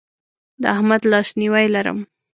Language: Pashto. د احمد لاسنیوی لرم.